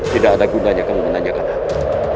tidak ada gunanya kamu menanyakan aku